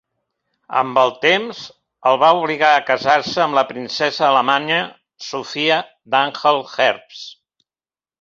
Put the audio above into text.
Amb el temps, el va obligar a casar-se amb la princesa alemanya, Sofia d'Anhalt-Zerbst.